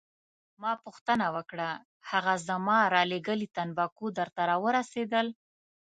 ما پوښتنه وکړه: هغه زما رالیږلي تمباکو درته راورسیدل؟